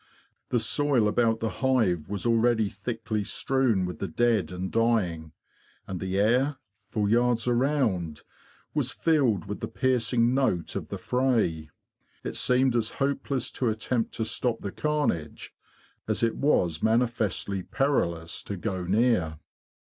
The soil about the hive was already thickly strewn with the dead and dying: and the air, for yards round, was filled with the piercing note of the fray. It seemed as hopeless to attempt to stop the carnage as it was manifestly perilous to go near.